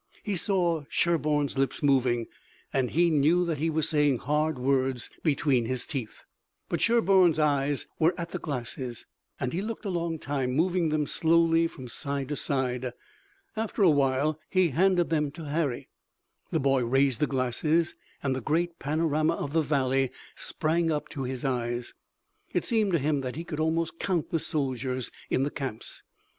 He saw Sherburne's lips moving and he knew that he was saying hard words between his teeth. But Sherburne's eyes were at the glasses, and he looked a long time, moving them slowly from side to side. After a while he handed them to Harry. The boy raised the glasses and the great panorama of the valley sprang up to his eyes. It seemed to him that he could almost count the soldiers in the camps.